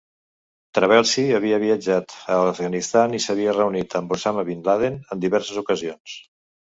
Trabelsi havia viatjat a l'Afganistan i s'havia reunit amb Osama bin Laden en diverses ocasions.